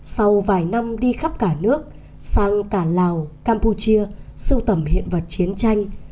sau vài năm đi khắp cả nước sang cả lào campuchia sưu tầm hiện vật chiến tranh